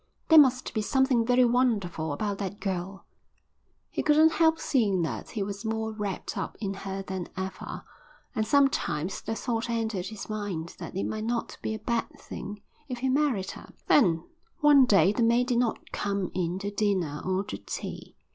There must be something very wonderful about that girl. He couldn't help seeing that he was more wrapped up in her than ever, and sometimes the thought entered his mind that it might not be a bad thing if he married her. Then, one day the mate did not come in to dinner or to tea.